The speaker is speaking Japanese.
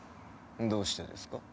どうしてですか？